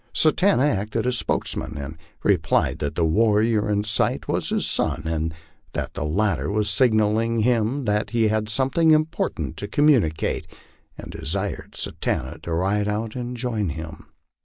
Satanta acted as spokesman, and replied that the warrior in sight was his son, and that the latter was signal ling to him that he had something important to communicate, and desired Satanta to ride out and join him.